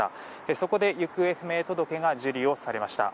そこで行方不明届が受理をされました。